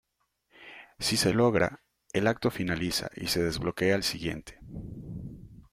Si se logra, el acto finaliza y se desbloquea el siguiente.